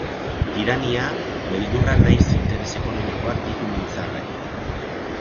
Tirania, beldurra nahiz interes ekonomikoak ditu mintzagai.